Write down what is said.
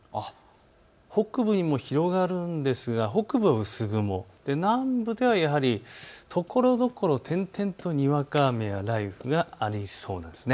北部にも広がるんですが北部、薄雲、南部ではやはりところどころ点々とにわか雨や雷雨がありそうなんです。